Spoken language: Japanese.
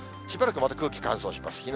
しばらくまた空気乾燥します。